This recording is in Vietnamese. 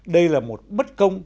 đây là một bất công